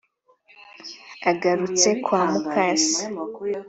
Agarutse kwa mukase